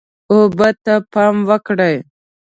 اوبه ته پام وکړئ.